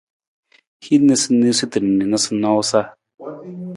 Hin niisaniisatu na noosanoosa.